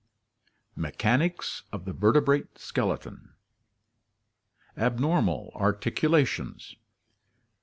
Mechanics of the Vertebrate Skeleton Abnormal Articulations.